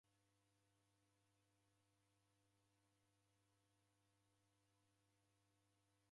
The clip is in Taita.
Ghenda kinyangenyi kughuo tindi.